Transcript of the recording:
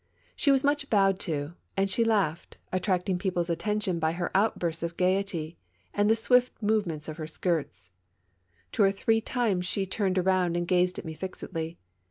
She was much bowed to, and she laughed, attracting people's attention by her outbursts of gayety and the swift move ments of lier skirts. Two or three times she turned around and gazed at me fixedly.